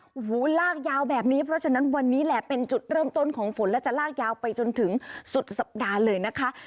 โอ้โหลากยาวแบบนี้เพราะฉะนั้นวันนี้แหละเป็นจุดเริ่มต้นของฝนและจะลากยาวไปจนถึงสุดสัปดาห์เลยนะคะ